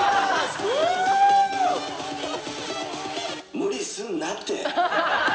「無理すんなって」。